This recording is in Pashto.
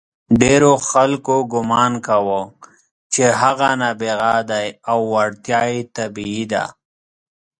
ډېرو خلکو ګمان کاوه چې هغه نابغه دی او وړتیا یې طبیعي ده.